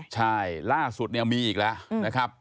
ใช่ล่าสุดมีอีกแล้วนะครับ